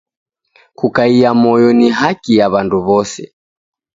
Kukaia moyo ni haki ya w'andu w'ose